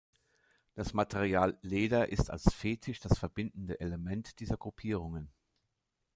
Das Material Leder ist als Fetisch das verbindende Element dieser Gruppierungen.